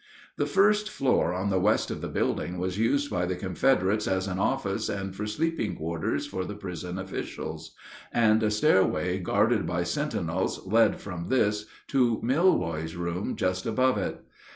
The first floor on the west of the building was used by the Confederates as an office and for sleeping quarters for the prison officials, and a stairway guarded by sentinels led from this to Milroy's room just above it.